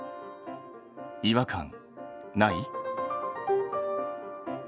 違和感ない？